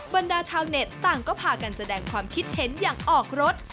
บรรดาชาวเน็ตต่างก็พากันแสดงความคิดเห็นอย่างออกรถ